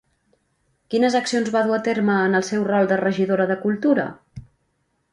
Quines accions va dur a terme en el seu rol de regidora de Cultura?